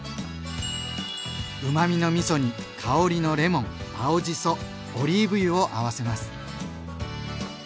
うまみのみそに香りのレモン青じそオリーブ油を合わせます。